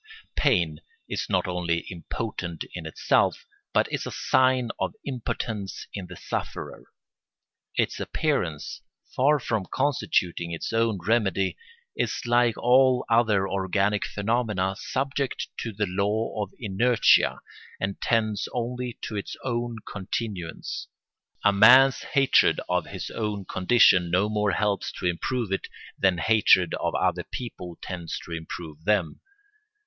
Pain is not only impotent in itself but is a sign of impotence in the sufferer. Its appearance, far from constituting its own remedy, is like all other organic phenomena subject to the law of inertia and tends only to its own continuance. A man's hatred of his own condition no more helps to improve it than hatred of other people tends to improve them.